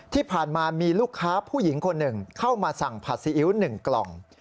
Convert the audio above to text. ที่ผ่านมามีลูกค้าผู้หญิงคนหนึ่งเข้ามาสั่งผัดซีอิ๊ว๑กล่อง